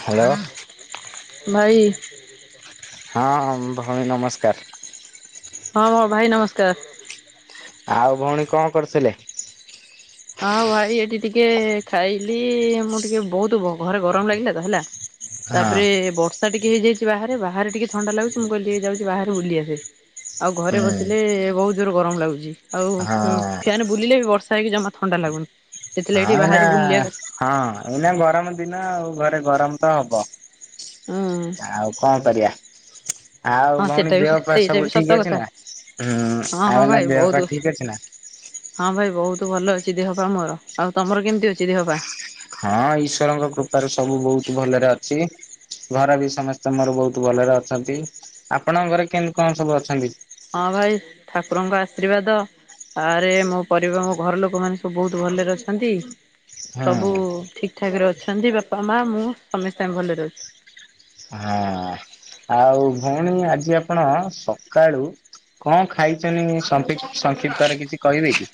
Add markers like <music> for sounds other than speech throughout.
Hello ଭାଇ। ହଁ ଭଉଣୀ ନମସ୍କାର। ହଁ ହଁ ଭାଇ ନମସ୍କାର। ଆଉ ଭଉଣୀ କଣ କରୁଥିଲେ? ହଁ ଭାଇ ଏଠି ଟିକେ ଖାଇଲି ମୁଁ ଟିକେ ବହୁତ ଘରେ ଗରମ ଲାଗିଲା ତ ହେଲା ହଁ ତାପରେ ବର୍ଷା ଟିକେ ହେଇଯାଇଛି ବାହାରେ ବାହାରେ ଟିକେ ଥଣ୍ଡା ଲାଗୁଛି ମୁଁ କହିଲି ଯାଉଛି ବାହାରେ ବୁଲି ଆସେ। ଆଉ ଘରେ ହୁଁ ବସିଲେ ବହୁତ ଜୋର ଗରମ ଲାଗୁଛି ଆଉ ହଁ ଫ୍ୟାନ ବୁଲିଲେ ବି ବର୍ଷା ହେଇକି ଜମା ଥଣ୍ଡା ଲାଗୁନି। ସେଥିଲାଗି ହଁ ଟିକେ ଏଇନା ବାହାରେ ବୁଲିବାକୁ ହଁ ଏଇନା ଗରମ ଦିନ ଆଉ ଘରେ ଗରମ ତ ହବ। ହୁଁ ଆଉ କଣ କରିବା। ଆଉ ହଁ ଭଉଣୀ ସେଟା ବି ଦେହ ପା ସେଇଟା ସବୁ ବି ସତ ଠିକ ଅଛି କଥା। ନା ହୁଁ ହଁ ହଁ ଆଉ ନା ଭାଇ ଦେହ ବହୁତ ପା ଠିକ ଅଛି ନା। ହଁ ଭାଇ ବହୁତ ଭଲ ଅଛି ଦେହପା ମୋର ଆଉ ତମର କେମିତି ଅଛି ଦେହପା? ହଁ ଈଶ୍ଵରଙ୍କ କୃପାରେ ସବୁ ବହୁତ ଭଲରେ ଅଛି। ଘରେ ବି ସମସ୍ତେ ମୋର ବହୁତ ଭଲରେ ଅଛନ୍ତି ଆପଣଙ୍କ ଘରେ କେମିତି କଣ ସବୁ ଅଛନ୍ତି? ହଁ ଭାଇ ଠାକୁରଙ୍କ ଆଶୀର୍ବାଦ। ଆରେ ମୋ ପରିବାର ମୋ ଘର ଲୋକ ମାନେ ସବୁ ବହୁତ ଭଲରେ ଅଛନ୍ତି। ସବୁ ହୁଁ ଠିକ ଠାକ ରେ ଅଛନ୍ତି ବାପା ମା ମୁଁ ସମସ୍ତେ ଭଲରେ ଅଛି। ହଁ। ଆଉ ଭଉଣୀ ଆଜି ଆପଣ ସକାଳୁ କଣ ଖାଇଛନ୍ତି ସଂକ୍ଷପ୍ତ ସଂକ୍ଷିପ୍ତରେ କିଛି କହିବେ କି।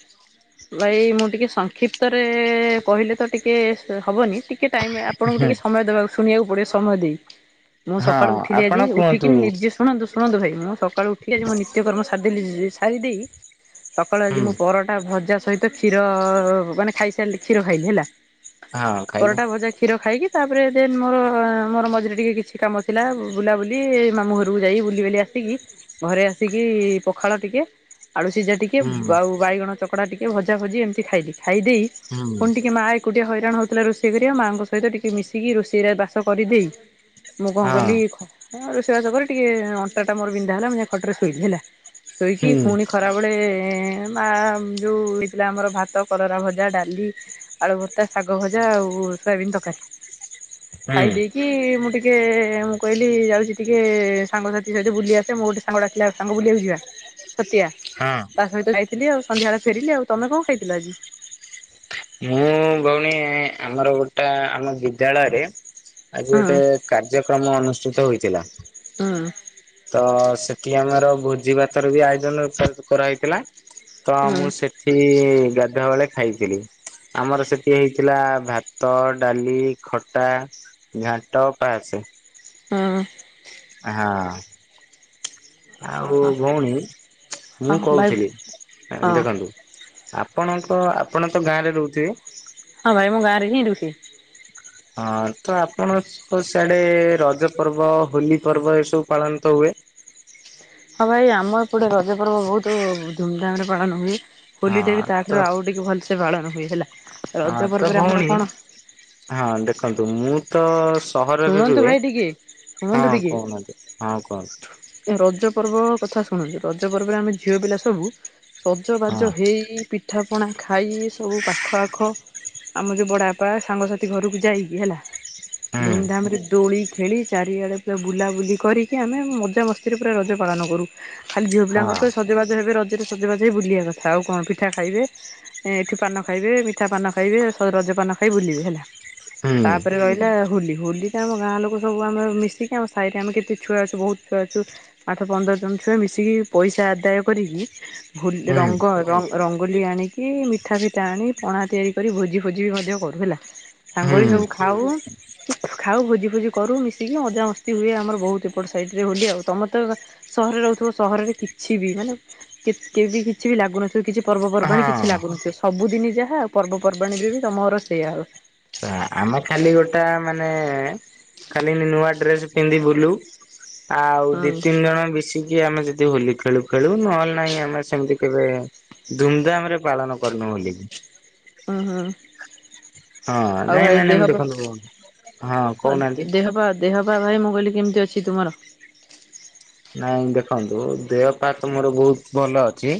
ଭାଇ ମୁଁ ଟିକେ ସଂକ୍ଷିପ୍ତରେ କହିଲେ ତ ଟିକେ ହବନି ଟିକେ ଟିକେ ଟାଇମ ଆପଣଙ୍କୁ ହୁଁ ଟିକେ ସମୟ ଦେବାକୁ ଶୁଣିବାକୁ ପଡିବ ସମୟ ଦେଇ ମୁଁ ହଁ ସକାଳୁ ଉଠିଲି ଆପଣ ଆଜି ଉଠିକି କୁହନ୍ତୁ। ନିଜେ ଶୁଣନ୍ତୁ ଶଣନ୍ତୁ ଭାଇ ମୁଁ ସକାଳୁ ଉଠିକି ଆଜି ମୋ ନିତ୍ୟ କର୍ମ ସାରିଦେ ସାରି ଦେଇ ସକାଳେ ଆଜି ହୁଁ ମୁଁ ପର ତା ଭଜା ସହିତ କ୍ଷୀର ମାନେ ଖାଇସାରିଲେ କ୍ଷୀର ଖାଇଲି ହେଲା। ହଁ ଖାଇଲେ ପରଟା ଭଜା କ୍ଷୀର ଖାଇକି ତାପରେ ଦେନ୍ ମୋର ମୋର ମଝିରେ ଟିକେ କିଛି କାମ ଥିଲା ବୁଲାବୁଲି ମାମୁଁ ଘରକୁ ଯାଇ ବୁଲି ବୁଲି ଆସିକି ଘରେ ଆସିକି ପଖାଳ ଟିକେ ଆଳୁ ସିଝା ଟିକେ ହୁଁ ଆଉ ବାଇଗଣ ଚକଡା ଟିକେ ଭଜା ଭଜି ଏମିତି ଖାଇଲି ଖାଇ ଦେଇ ହୁଁ ଫୁଣି ଟିକେ ମା ଏକୁଟିଆ ହଇରାଣ ହଉଥିଲା ରୋଷେଇ କରିବା ମାଆଙ୍କ ସହିତ ଟିକେ ମିଶିକି ରୋଷେଇରେ ବାସ କରିଦେଇ ମୁକ ହଁ କଇଲିକି ଲଖ ହଁ ଆ ର ସେବା ତ କରି ଟିକେ ଅଣ୍ଟା ଟାୋର ବିନ୍ଧା ହେଲା ଖଟରେ ଶୋଇଲି ହେଲା ହୁଁ ଶୋଇକିୁଣି ଖରାବେଳେ ମା ଯଉଁ ହେଇଥିଲା ଆମର ଭାତ କରରା ଭଜା ଡାଲି ଆଳୁ ଭତ୍ତା ଶାଗ ଭଜା ଆଉ ସୋୟାବିନ ତକାରୀ ଖାଇ ହୁଁ ଦେଇେଇକ କି ମୁଁ ଟିକେ ମୁଁ କହିଲି ଯାଉଚି ଟିକେ ସାଙ୍ଗସାଥି ସହିତ ବୁଲି ଆସେ ମୁଁ ଗୋଟେ ସାଙ୍ଗ ଡ଼ାକି ଆମ ବୁଲିବାକୁ ଯିବା ସତିଆ। ହଁ। ତା ସହିତ ଯାଇଥିଲି ଆଉ ସନ୍ଧ୍ୟାବେଳେ ଫେରିଲି ଆଉ ତମେ କଣ ଖାଇଥିଲ ଆଜି? ମୁଁ ଭଉଣୀ ଆମର ଗୋଟା ଆମ ବିଦ୍ୟାଳୟରେ ଆଜି ହୁଁ ଗୋଟେ କାର୍ଯ୍ୟକ୍ରମ ଅନୁଷ୍ଠିତ ହୋଇଥିଲା। ହୁଁ ତ ସେଠି ଆମର ଭୋଜି ଭାତ ର ବି ଆୟୋଜନର୍ କରାହେଇଥିଲା ତ ହୁଁ ମୁଁ ସେ ସେ-ଗାଧୁଆ ବେଳେ ଖାଇଥିଲି। ଆମର ସେଠି ହେଇଥିଲା ଭାତ ଡାଲି ଖଟା ଘାଣ୍ଟ ପାସେ। ହଁ। ଆଁ ହଁ। ଆଉ ହଁ ଭଉଣୀ ମୁଁ ହଁ ଭାଇ କହୁଥିଲି ହଁ ଦେଖନ୍ତୁ ଆପଣଙ୍କ ଆପଣ ତ ଗାଁରେ ରହୁଥିବେ? ହଁ ଭାଇ ମୁଁ ଗାଁ ରେ ହିଁ ରୁହେ। ହଁ ତ ଆପଣ ସ୍ ହ ସିଆଡେ ରଜ ପର୍ବ ହୋଲି ପର୍ବ ଏସବୁ ପାଳନ ତ ହୁଏ? ହଁ ଭାଇ ଆମର ଏପଟେ ରଜ ପର୍ବ ବହୁତୁ ଧୁମ୍ ଧାମ୍ ରେ ପାଳନ ହୁଏ। ହୋଲି ଟେ ହଁ ବି ତା ତ ଠାରୁ ଆଉ ଟିକେ ଭଲ୍ ସେ ପାଳନ ହୁଏ ହେଲା, ହଁ ରଜ ତ ପର୍ବରେ ଆମର ଭଉଣୀ କଣ? ହଁ ଦେଖନ୍ତୁ ମୁଁ ତ ସହରରେ ଶୁଣନ୍ତୁ ରୁହେ, ଭାଇ ଟିକେ ଶୁଣନ୍ତୁ ହଁ ଟିକେ କହୁନାହାନ୍ତି ହଁ କୁହନ୍ତୁ। ରଜ ପର୍ବ କଥା ଶୁଣନ୍ତୁ ରଜ ପର୍ବରେ ଆମେ ଝିଅ ପିଲା ସବୁ ହଁ ସଜବାଜ ହେଇ ପିଠାପଣା ଖାଇ ସବୁ ପାଖ ଆଖ ଆମ ଯଉ ବଡ଼ାବାପା ସାଙ୍ଗସାଥି ଘରକୁ ଯାଇକି ହେଲା ହୁଁ ଧୁମ୍ ଧାମ୍ ରେ ଦୋଳି ଖେଳି ଚାରିଆଡେ ପୁରା ବୁଲାବୁଲି କରିକି ଆମେ ମଜା ମସ୍ ସ୍ତି ପୁରା ରଜ ପାଳନ କରୁ ଖାଲି ଝିଅ ପିଲାଙ୍କର ହଁ ତ ସଜବାଜ ହେବେ ରଜ ତିରେ ସଜବାଜ ହେଇ ବୁଲିବା କଥା ଆଉ କଣ ପିଠା ଖାଇବେ ଏଠୁ ପାନ ଖାଇବେ ମିଠା ପାନ ଖାଇବେ ରଜ ପାନ ଖାଇ ବୁଲିବେ ହେଲା। ହୁଁ ତାପରେ ରହିଲା ହୋଲି ହୋଲି ଟା ଆମ ଗାଁ ଲୋକ ସବୁ ଆମେ ମିଶିକି ଆମ ସାହିରେ ଆମେ କେତେ ଛୁଆ ଅଛୁ ବହୁତ୍ ଛୁଆ ଅଛୁ ଆଠ ପନ୍ଦର ଜଣ ଛୁଆ ମିଶିକି ପଇସା ଆଦାୟ କରିକି ଭ ହୁଁ। ରଙ୍ଗ ରଙ୍ଗୋଲି ଆଣିକି ମିଠା ଫିଠା ଆଣି ପଣା ତିଆରି କରି ଭୋଜି ଫୋଜି ବି ମଧ୍ୟ କରୁ ହେଲା, ସାଙ୍ଗ ହୁଁ ହେଇ ସବୁ ଖାଉଁ। ଖାଉ ଭୋଜି ଫୋଜି କରୁ ମିଶିକି ମଜାମସ୍ତି ହୁଏ ଆମର ବହୁତ୍ ଏପଟ୍ ସାଇଟ୍ ରେ ହୋଲି ଆଉ ତମେ ତ ସହରରେ ରହୁଥିବ ସହରରେ କିଛି ବି ମାନେ କେତ୍ କେବେ ବି କିଛି ବି ଲାଗୁନଥିବ କିଛି ପର୍ବପର୍ବାଣି କିଛି ହଁ ଲାଗୁନଥିବ ସବୁଦିନ ଯାହା ପର୍ବ ପର୍ବାଣୀ ରେ ବି ତମର ସେଇଆ। ଆ ଆ। ଆମେ ଖାଲି ଗୋଟା ମାନେ ଖାଲି ନୂଆ ଡ୍ରେସ ପିନ୍ଧି ବୁଲୁ। ଆଉ ଦି ହୁଁ ତିନି ଜଣ ମିଶିକି ଆମେ ଯଦି ହୋଲି ଖେଳୁ ଖେଳୁ ନହେଲେ ନାହିଁ ଆମେ ସେମିତି କେବେ ଧୁମଧାମ ରେ ପାଳନ କରିନୁ ହୋଲି। ଉଁ ହୁଁ। ହଁ ଆଉ ନାଇଁ ଭାଇ ମାନେ ଦେହ ପା ଦେଖନ୍ତୁ ହଁ ଅ କହୁନାହାନ୍ତି ଦେହ ପା ଦେହ ପା ଭାଇ ମୁଁ କହିଲି କେମିତି ଅଛି ତୁମର। ନାଇଁ ଦେଖନ୍ତୁ ଦେହ ପା ତ ମୋର ବହୁତ ଭଲ ଅଛି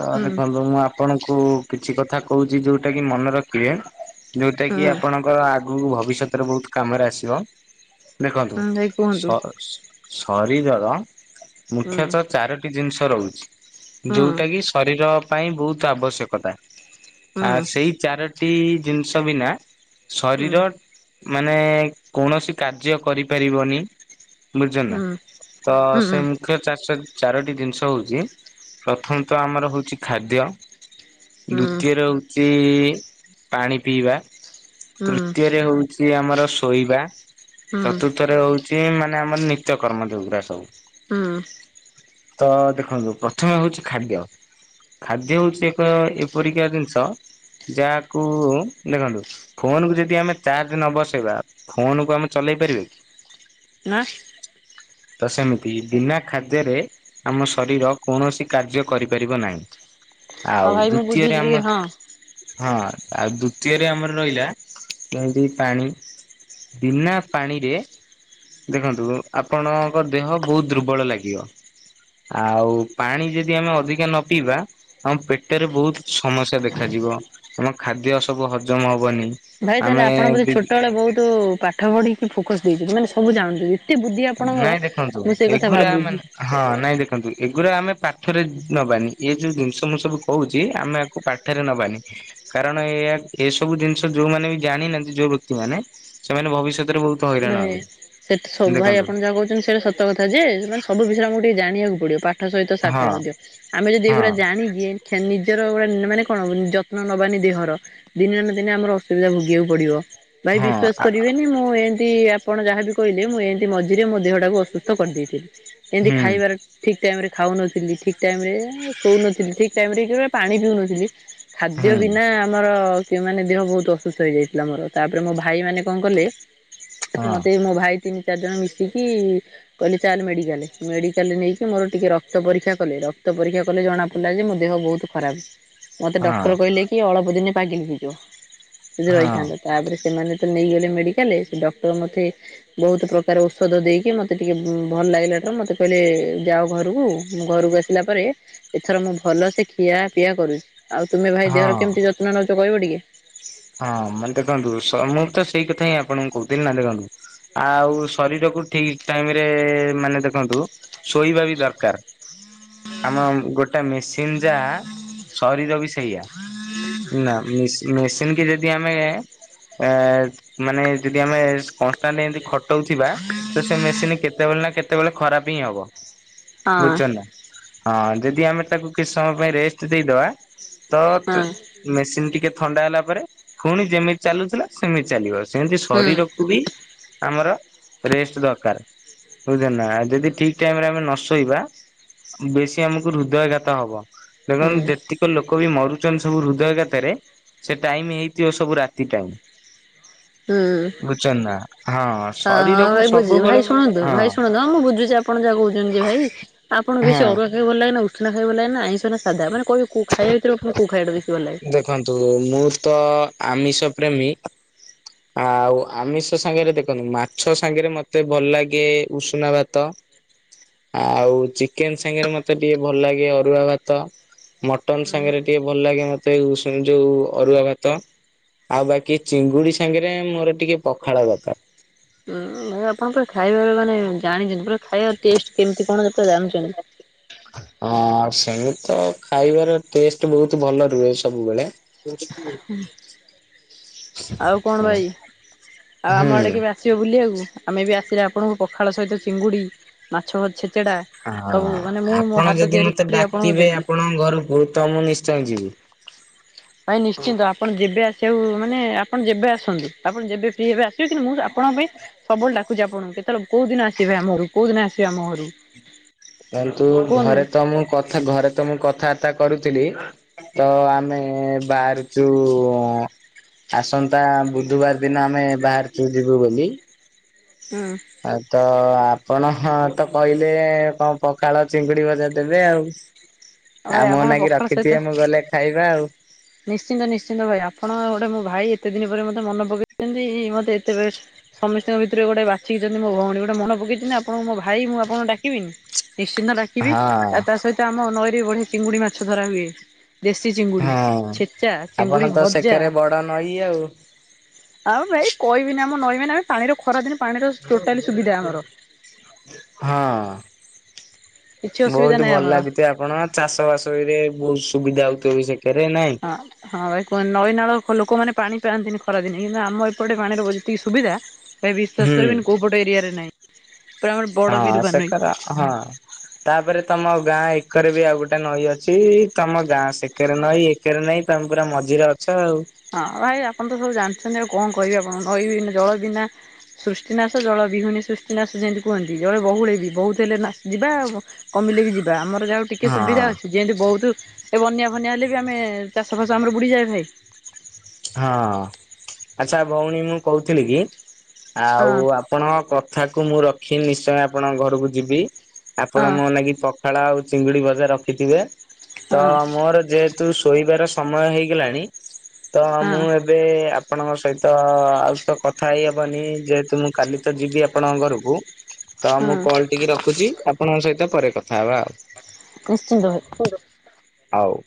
ତ ହୁଁ ଦେଖନ୍ତୁ ମୁଁ ଆ ଆପଣଙ୍କୁ କିଛି କଥା କହୁଚି ଯୋଉଟା କି ମନେ ରଖିବେ ଯୋଉଟା ହୁଁ କିି ଆପଣଙ୍କର ଆ ଗୁକୁ ଭବିଷ୍ୟତରେ ବହୁତ କାମରେ ଆସିବ ଦେଖନ୍ତୁ ହୁଁ ଭାଇ କୁହନ୍ତୁ ସ ସ ଶରୀରର ହୁଁ ମୁଖ୍ୟତଃ ଚାରୋଟି ଜିନିଷ ରହୁଛି ହୁଁ ଯୋଉଟା କି। ଶରୀର ପାଇଁ ବହୁତ ଆବଶ୍ୟକତା ଆ ହୁଁ ସେଇ ଚାର ଟି ଜିନିଷ ବିନା ହୁଁ ଶରୀର। ମାନେ କୌଣସି କାର୍ଯ୍ୟ କରିପାରିବନି ହୁଁ ହୁଁ ବୁଝଛନା। ତ ହୁଁ ସେମ ମୁଖ୍ୟ ଚାଷ ଚାରୋଟି ଜିନିଷ ହଉଚି ପ୍ରଥମତଃ ଆମର ହଉଚି ଖାଦ୍ୟ। ଦ୍ଵିତୀୟରେ ହଉଚି ପାଣି ପିଇବା। ହୁଁ ତୃତୀୟରେ ହଉଚି ଆମର ଶୋଇବା ହୁଁ ଚତୁ ଥରେ ହଉଚି ମାନେ ଆମର ନିତ୍ୟ କର୍ମ ଯଉଗୁରା ସବୁ। ହୁଁ। ତ ଦେଖନ୍ତୁ ପ୍ରଥମେ ହଉଚି ଖାଦ୍ୟ। ଖାଦ୍ୟ ହଉଚି ଏକ ଏପରିକା ଜିନିଷ ଯାହାକୁ ଦେଖନ୍ତୁ। ଫୋନକୁୁ ଯଦି ଆମେ ଚାର୍ଜ ନ ବସେଇବା ଫୋନକୁୁ ଆମେ ଚଲେଇ ପାରିବା କି। ନା। ତ ସେମିତି ବିନା ଖାଦ୍ୟରେ ଆମ ଶରୀର କୌଣସି କାର୍ଯ୍ୟ କରିପାରିବ ନାହିଁ। ଆଉ ହଁ ଭାଇ ମୁଁ ଦ୍ଵିତୀୟରେ ବୁଝୁଛି ଟିକେ ଆମର। ହଁ ହଁ ଆଉ ଦ୍ଵିତୀୟରେ ଆମର ରହିଲା ଯେମିତି ପାଣି। ବିନା ପାଣିରେ ଦେଖନ୍ତୁ ଆପଣ। ଙ୍କ ଦେହ ବହୁତ ଦୁର୍ବଳ ଲାଗିବ ଆଉ ପାଣି ଯଦି ଆମେ ଅଧିକା ନ ପିଇବା। ଆମ ପେଟରେ ବହୁତ ସମସ୍ୟା ଦେଖାଯିବ ଆମ ଖାଦ୍ୟ ସବୁ ହଜମ ହବନି। ଭାଇ ଆମେ ତାହେଲେ ଆପଣ ବୋଧେ ବି ଛୋଟବେଳେ ବହୁତ ପାଠ ପଢିକି ଫୋକସ ଦେଇଛନ୍ତି ମାନେ ସବୁ ଜାଣନ୍ତି। ଏତେ ବୁଦ୍ଧି ଆପଣଙ୍କର ନାଇଁ ଦେଖନ୍ତୁ ମୁଁ ସେଇ କଥା ଏଗୁରା ମାନେ ଭାବୁଚି। ହଁ ନାଇଁ ଦେଖନ୍ତୁ ଏଗୁରା ଆମେ ପାଥରେ ନବାନି ଏ ଯୋଉ ଜିନିଷ ମୁଁ ସବୁ। କହୁଛି ଆମେ ୟାକୁ ପାଠରେ ନବାନି। କାରଣ ଏୟା ଏସବୁ ଜିନିଷ ଯୋଉମାନେ ବି ଜାଣିନାହାନ୍ତି ଯୋଉ ବ୍ୟକ୍ତି ମାନେ ସେମାନେ ଭବିଷ୍ୟତରେ ବହୁ ତ ହଇରାଣ ହବୁ। ସେ <unintelligible> ଭାଇ ଆପଣ ଯାହା କହୁଛନ୍ତି ସେରା ସତ କଥା ଯେ ମାନେ ସବୁ ବିଷୟରେ ଆମକୁ ଟିକେ ଜାଣିବାକୁ ପଡିବ ପା ପାଠ ସହିତ ସାଠ ହଁ ମଧ୍ୟ ଆମେ ଯଦି ହଁ ଏଗୁରା ଜାଣିିକି ନିଜର ଗୋଟେ ମାନେ କଣ ହବ ଯତ୍ନ ନବାନି ଦିହର। ଦିନେ ନା ଦିନେ ଆମର ଅସୁବିଧା ଭୋଗିବାକୁ ପଡିବ ଭାଇ ହଁ ବିଶ୍ଵାସ ଆ କରିବେନି ମୁଁ ଏ ଏମିତି ଆପଣ ଯାହାବି କହିଲେ ମୁଁ ଏମତି ମଝିରେ ମୋ ଦେହଟାକୁ ଅସୁସ୍ଥ କରିଦେଇଥିଲି ଏମିତି ହୁଁ ଖାଇବାର ଠିକ ଟାଇମ ରେ ଖାଉନଥିଲି ଠିକ ଟାଇମ ରେ ଶୋଉନଥିଲି ଠିକ ଟାଇମ ରେ <unintelligible> ପାଣି ପିଉନଥିଲି। ଖାଦ୍ୟ ହୁଁ ବିନା ଆମର କି ମାନେ ଦେହ ବହୁତ ଅସୁସ୍ଥ ହେଇଯାଇଥିଲା ମୋର ତାପରେ ମୋ ଭାଇ ମାନେ କଣ କଲେ। ହଁ ମତେ ମୋ ଭାଇ ତିନି ଚାରି ଜଣ ମିଶିକି। କହିଲେ ଚାଲେ ମେଡିକାଲେ ମେଡିକାଲେ ନେଇକି ମୋର ଟିକେ ରକ୍ତ ପରୀକ୍ଷା କଲେ ରକ୍ତ ପରୀକ୍ଷା କଲେ ଜଣା ଲା ଯେ ମୋ ଦେହ ବହୁତ ଖରାପ। ମତେ ଡକ୍ଟର ହଁ କହିଲେ କି ଅଳପ ଦିନେ ପାଗିଲିି ହେଇ ଯିବ ଯଦି ହଁ ରହିଥାନ୍ତ ତାପରେ ସେମାନେ ତ ନେଇଗଲେ ମେଡିକାଲରେ ସେ ଡକ୍ଟର ମତେ। ବହୁତ ପ୍ରକାର ଔଷଧ ଦେଇକି ମତେ ଟିକେ ଭଲ ଲାଗିଲା ଟା ମତେ କହିଲେ ଯାଅ ଘରକୁ ଘରକୁ ଆ ସିଲା ପରେ ଏଥର ମୁଁ ଭଲସେ ଖିଆ ପିଆ କରୁଛି। ଆଉ ତୁମେ ଭାଇ ଦେହର ହଁ। କେମିତି ଯତ୍ନ ନଉଛ କହିବ ଟିକେ? ହଁ ମାନେ ଦେଖନ୍ତୁ ସ ମୁଁ ତ ସେଇ କଥା ହିଁ ଆପଣଙ୍କୁ କହୁଥିଲି ନା ଦେଖନ୍ତୁ। ଆଉ ଶରୀରକୁ ଠିକ ଟାଇମ ରେ ମାନେ ଦେଖନ୍ତୁ। ଶୋଇବା ବି ଦରକାର। ଆମ ଗୋଟେ ମେସିନ ଯା ସରିର ବି ସେୟା ନା ମି ମେ ତେଣକିି ଯଦି ଆମେ ଏ ମାନେ ଯଦି ଆମେ ତାନେ ଏମିତି ଖଟଉଥିବା ତ ସେ ମେସିନ କେତେବେଳେ ନା କେତେବେଳେ ଖରାପ ହିଁ ହବ। ହଁ ବୁଝୁଚନ୍ତନା ହଁ ଯଦି ଆମେ ତାକୁ କିଛି ସମୟ ପାଇଁ ରେଷ୍ଟ ଦେଇଦବା ତ ହଁ ମେସିନ ଟିକେ ଥଣ୍ଡା ହେଲା ପରେ ପୁଣି ଯେମିତି ଚାଲୁଥିଲା ସେମିତି ଚାଲିବ। ସେମିତି ହୁଁ ଶରୀରକୁ ବି ଆମର ରେଷ୍ଟ ଦରକାର। ବୁଝ ନା ଯଦି ଠିକ ଟାଇମ ରେ ଆମେ ନ ଶୋଇବା ବେଶୀ ଆମକୁ ହୃଦୟଘାତ ହବ। ହୁଁ। ଦେଖନ୍ତୁ ଯେତିକ ଲୋକ ବି ମରୁଛନ୍ତି ସବୁ ହୃଦୟଘାତରେ ସେ ଟାଇମ ହେଇଥିବ ସବୁ ରାତି ଟାଇମ। ହୁଁ ହଁ ବୁଝୁଛନ୍ତି ନା ହଁ ହଁ ଶରୀରକୁ ଭାଇ ବୁଝୁଛି ସବୁବେଳେ ଭାଇ ଶୁଣନ୍ତୁ ହଁ ଭାଇ ଶୁଣନ୍ତୁ ହଁ ମୁଁ ବୁଝୁଛି ଆ ଆପଣ ଯାହା କହୁଛନ୍ତି ଯେ ଭାଇ ଆପଣ ବେଶୀ ହଁ ଅରୁଆ ଖାଇବାକୁ ଭଲ ଲାଗେ ନା ଉଷୁନା ଖାଇବାକୁ ଭଲ ଲାଗେ ଆଇଁଷ ନା ସାଧା ମାନେ କହିବେ କ ଖାଇବା ଭିତରେ କଉ ଖାଇବା ବେସି ଭଲ ଲାଗେ? ଦେଖନ୍ତୁ ମୁଁ ତ ଆମିଷ ପ୍ରେମୀ। ଆଉ ଆମିଷ ସାଙ୍ଗରେ ଦେଖନ୍ତୁ ମାଛ ସାଙ୍ଗରେ ମତେ ଭଲ ଲାଗେ ଉଷୁନା ଭାତ। ଆଉ ଚି କେନ ସାଙ୍ଗରେ ମତେ ଟିକେ ଭଲ ଲାଗେ ଅରୁଆ ଭାତ, ମଟନ ସାଙ୍ଗରେ ଟିକେ ଭଲ ଲାଗେ ମ ଏ ଉ ଯୋଉ ଅରୁଆ ଭାତ। ଆଉ ବାକି ଚିଙ୍ଗୁଡି ସାଙ୍ଗରେ ମୋର ଟିକେ ପଖାଳ ଦରକାର। ହୁଁ ଭାଇ ଆପଣ ପୁରା ଖାଇବା ମାନେ ଜାଣିଛନ୍ତି ପୁରା ଖାଇବା ଟେଷ୍ଟ କେମିତି କଣ ପୁରା ଜାଣିଛନ୍ତି। ହଁ ସେମି ତ ଖାଇବାର ଟେଷ୍ଟ ବହୁତ ଭଲ ରୁହେ ସବୁବେଳେ। ଆଉ କଣ ଭାଇ ଆଉ ଆମ ହୁଁ। ଆଡେ କେବେ ଆସିବ ବୁଲିବାକୁ ଆମେ ବି ଆସିଲେ ଆପଣଙ୍କୁ ପଖାଳ ସହିତ ଚିଙ୍ଗୁଡି ମାଛ ଛେଚେଡ଼ା ହଁ ଆପଣ ଯଦି ମତେ ଆପଣଙ୍କୁ ଡାକିବେ ଦେବି। ଆପଣଙ୍କ ଘରକୁ ତ ମୁଁ ନି ଶ୍ଚୟ ଯିବି। ଭାଇ ନିଶ୍ଚିନ୍ତ ଆପଣ ଯେବେ ଆସିବାକୁ ମାନେ ଆପଣ ଯେବେ ଆସନ୍ତୁ ଆପଣ ଯେବେ ପିବେ ଆସ କିନ୍ତୁ ମୁଁ ଆପଣ ପାଇଁ ସବୁ ବେଳେ ଡାକୁଛି ଆପଣଙ୍କୁ କେତଳେ କୋଉ ଦିନ ଆସିବେ ଆମର କୋଉ ଦିନ ଆସିବ ଆମ ଘରୁକୁ। ତାଲେ ତୁ ଘରେ ତ ମୁଁ ଘରେ ତ ମୁଁ କଥାବାର୍ତ୍ତା କରୁଥିଲି ତ ଆମେ ବାହ ଆସନ୍ତା ବୁଧବାର ଦିନ ଆମେ ବାହାରାରୁଛୁ ଯିବୁ ବୋଲି। ହଁ। ଆଉ ତ ଆପଣ ହ ତ କହିଲେ କଣ ପଖାଳ ଚିଙ୍ଗୁଡି ଭଜା ଦେବେ ଆଉ। ଭାଇ ଆଉ ମୋ ଆପଣ ନାକି ପଖାଳ ସହିତ ରଖିଥିବେ ମୁଁ ଗଲେ ଖାଇବା ଆଉ। ନିଶ୍ଚିନ୍ତ ନିଶ୍ଚିନ୍ତ ଭାଇ ଆପଣ ଗୋଟେ ମୋ ଭାଇ ଏତେ ଦିନ ପରେ ମତେ ମନ ପକେଇଛନ୍ତି ମତେ ଏତେ ବେଷ୍ ସମସ୍ତଙ୍କ ଭିତରେ ଗୋଟେ ବାଛିକିଛନ୍ତି ମୋ ଭଉଣୀ ଗୋଟେ ମନେ ପକେଇଛନ୍ତି ଆପଣଙ୍କୁ ମୋ ଭାଇ ମୁଁ ଆପଣଙ୍କୁ ଡାକିବିନି। ନିଶ୍ଚିନ୍ତ ଡାକିବି ଆଉ ହଁ ତା ସହିତ ଆମ ନଈରେ ବଢିଆ ଚିଙ୍ଗୁଡି ମାଛ ଧରା ହୁଏ। ଦେଶୀ ଚିଙ୍ଗୁଡିି ହଁ ଛେଚ୍ଚା ଆପଣ ଚିଙ୍ଗୁଡିୀ ତ ଭଯା। ସେକରେ ବଡ ନଈ ଆଉ। ଆଉ ଭାଇ କହିବିନି ଆମ ନହିବ ଆମେ ପାଣିର ଖରାଦିନ ପାଣିର ଟୋଟାଲି ସୁବିଧା ଆମର। ହଁ କିଛି ଅସୁବିଧା ବହୁତ ନାହିଁ ଭଲ ଆମର। ଲାଗ ଏତେ ଆପଣ ଚାଷ ବାସରେ ବହୁତ ସୁବିଧା ହୋଉଥିବ ସେକରେ ନାଇଁ। ହଁ ହଁ ଭାଇ କୁହ ନଈ ନାଳ ଲୋକମାନେ ପାଣି ପାଆନ୍ତିନି ଖରାଦିନେ କିନ୍ତୁ ଆମ ଏପଟେ ପାଣିର ଯେତିକି ସୁବିଧା ଭାଇ ବିଶ୍ଵାସ ହୁଁ। କରିବନି କୋଉ ପଟ ଏରିଆରେ ନାହିଁ ପୁରା ଆମର ବଡ଼ ହଁ ବିରବା ସେକର ନୁଁହେଁ। ହଁ। ତାପରେ ତମ ଗାଁ ଏକରେ ବି ଆଉ ଗୋଟେ ନଈ ଅଛି ତମ ଗାଁ ସେକରେ ନଈ ଆକରେ ନାଇଁ ତାେ ପୁରା ମଝିରେ ଅଛ ଆଉ। ହଁ ଭାଇ ଆପଣ ତ ସବୁ ଜାଣିଛନ୍ତି ଆଉ କଣ କହିବେ ଆପଣ ନଈ ବିନା ଜଳ ବିନା ସୃଷ୍ଟିନାଶ ଜଳ ବିହୁନୀ ସୃଷ୍ଟିନାଶ ଯେମିତି କୁହନ୍ତି ଜଳ ବହୁଳ ବି ବହୁତ ହେଲେ ଯିବା ଆଉ କଣ। କମିଲେକି ଯିବା ଆମ ଯାହା ଟିକେ ହଁ। ସୁବିଧା ଅଛି ଯେମିତି ବହୁତ ଏ ବନ୍ୟା ବନ୍ୟା ହେଲେ ବି ଆମେ ଚାଷ ଫାସ ଆମର ବୁଡ଼ିଯାଏ ଭାଇ। ହଁ ଆଚ୍ଛା ଭଉଣୀ ମୁଁ କହୁଥିଲି କି ଆଉ ହଁ ଆପଣଙ୍କ କଥାକୁ ମୁଁ ରଖି ନିଶ୍ଚୟ ଆପଣଙ୍କ ଘରକୁ ଯିବି ଆପଣ ହଁ। ମୋ ଲାଗି ପ ପଖାଳ ଆଉ ଚିଙ୍ଗୁଡି ବଜା ରଖିଥିବେ ତ ହଁ ମୋର ଯେ ତୁ ଶୋଇବାର ସମୟ ହେଇଗଲାଣି ତ ମୁଁ ହଁ ଏବେ ଆପଣଙ୍କ ସହିତ ଆଉ ତ କଥା ହେଇହବନି ଯେହେତୁ ମୁଁ କାଲି ତ ଯିବି ଆପଣଙ୍କ ଘରକୁ ତ ମୁଁ କଲ୍ ଟିକେ ରଖୁଚି ଆପଣଙ୍କ ସହିତ ପରେ କଥା ହବା ନିଶ୍ଚିନ୍ତ ଭାଇ। ଆଉ। ଆଉ।